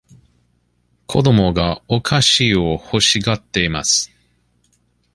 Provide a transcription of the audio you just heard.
子供がお菓子を欲しがっています。